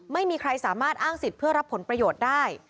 ไม่มีใครสามารถอ้างสิทธิ์เพื่อรับผลประโยชน์ได้